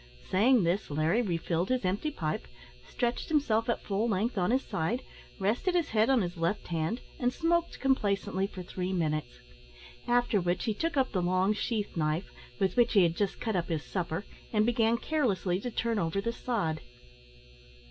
Saying this, Larry refilled his empty pipe, stretched himself at full length on his side, rested his head on his left hand, and smoked complacently for three minutes; after which he took up the long sheath knife, with which he had just cut up his supper, and began carelessly to turn over the sod.